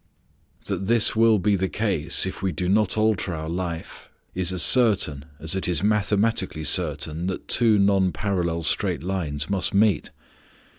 That this will be the case if we do not alter our life is as certain as it is mathematically certain that two non parallel straight lines must meet.